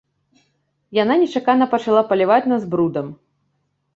Яна нечакана пачала паліваць нас брудам.